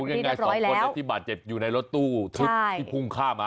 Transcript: ยังไงสองคนที่บาดเจ็บอยู่ในรถตู้ทึบที่พุ่งข้ามมา